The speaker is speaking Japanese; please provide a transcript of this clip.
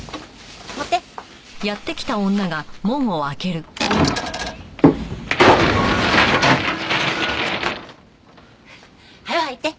持って。はよ入って。